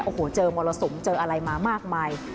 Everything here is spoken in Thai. โอ้โหเจอมรสุมเจออะไรมามากมาย